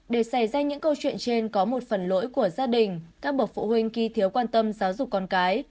để xảy ra những câu chuyện trên có một phần lỗi của gia đình các bậc phụ huynh khi thiếu quan tâm giáo dục con cái